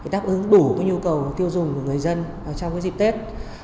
đáp ứng đủ nhu cầu tiêu dùng của người dân trong dịp tết